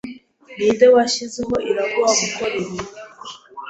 Ninde washyizeho Iraguha gukora ibi?